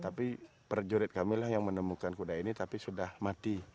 tapi prajurit kami yang menemukan kuda ini sudah mati